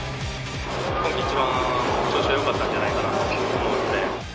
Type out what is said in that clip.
今季一番、調子はよかったんじゃないかなと思うんで。